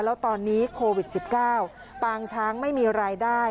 แล้วตอนนี้โควิด๑๙ปางช้างไม่มีรายได้